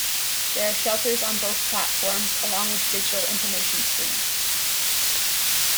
There are shelters on both platforms, along with digital information screens.